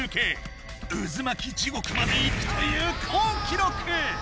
うずまき地獄まで行くという好記録！